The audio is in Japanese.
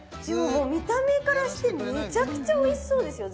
見た目からしてめちゃくちゃおいしそうですよ